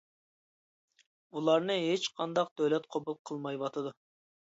ئۇلارنى ھېچقانداق دۆلەت قوبۇل قىلمايۋاتىدۇ.